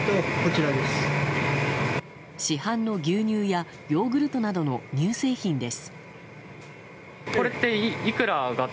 市販の牛乳やヨーグルトなどの乳製品です。